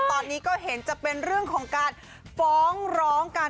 ตอนนี้ก็เห็นจะเป็นเรื่องของการฟ้องร้องกัน